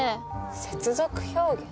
接続表現？